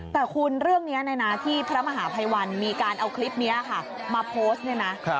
แต่คุณเรื่องนี้ที่พระมหาภัยวันมีการเอาคลิปนี้ค่ะมาโพสต์เนี่ยนะ